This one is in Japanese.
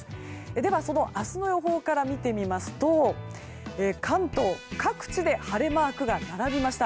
では、その明日の予想から見てみますと関東各地で晴れマークが並びました。